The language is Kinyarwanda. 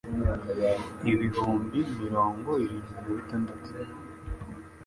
ibihumbi mirongo irindwi nabitandatu